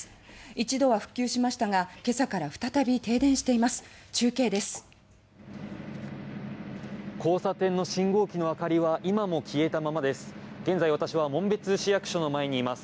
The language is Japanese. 一度は復旧しましたが今朝から再び停電しています。